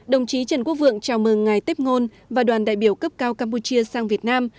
đồng chí trần quốc vượng chào mừng ngài tép ngôn và đoàn đại biểu cấp cao campuchia sang việt nam